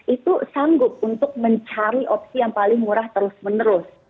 itu sanggup untuk mencari opsi yang paling murah terus menerus